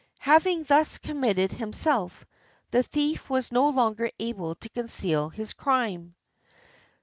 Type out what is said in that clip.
Having thus committed himself, the thief was no longer able to conceal his crime.